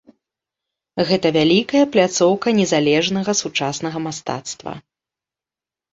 Гэта вялікая пляцоўка незалежнага сучаснага мастацтва.